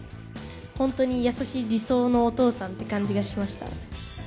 本当に優しい理想のお父さんって感じがしました。